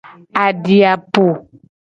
Adi a po.